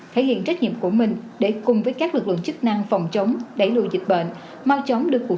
thể hiện trách nhiệm của mình để cùng với các lực lượng chức năng phòng chống đẩy lùi dịch bệnh